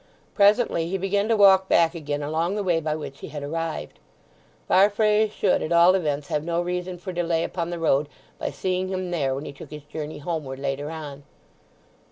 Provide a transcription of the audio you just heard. Presently he began to walk back again along the way by which he had arrived. Farfrae should at all events have no reason for delay upon the road by seeing him there when he took his journey homeward later on.